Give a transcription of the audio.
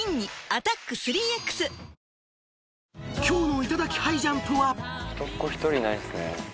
［今日の『いただきハイジャンプ』は］